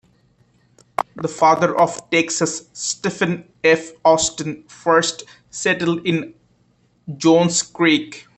The Father of Texas, Stephen F. Austin, first settled in Jones Creek.